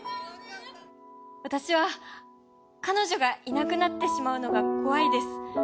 私は彼女がいなくなってしまうのが怖いです。